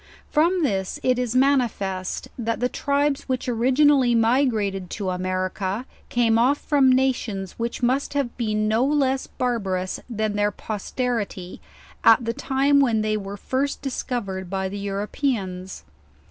From this it is manifest that the tribes which origin ally migrated to America came off from nations which must have been no less barbarous than their posterity, at the time when they were first discovered by the Europeans.